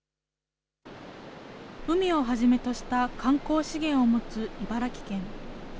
海をはじめとした観光資源を持つ茨城県。